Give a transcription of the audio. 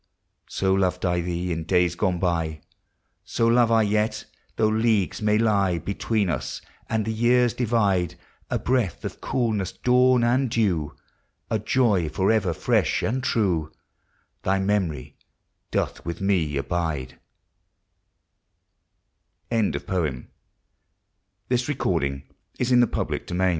So loved I thee in days gone by, So love I yet, though Leagues may lie Between us, and the years divide; A breath of coolness, dawn, and dew, A joy forever fresh and true, Thy memory doth with me abide ANNA BOYNTON AVERILU SON